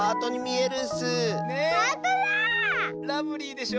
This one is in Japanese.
ラブリーでしょ。